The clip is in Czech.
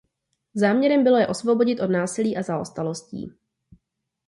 Záměrem bylo je osvobodit od násilí a zaostalostí.